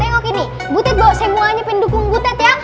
tengok ini butet bawa semua pendukung butet ya